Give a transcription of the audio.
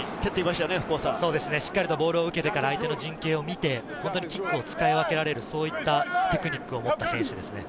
ボールを受けてから相手の陣形を見てキックを使い分けられる、そういったテクニックを持った選手です。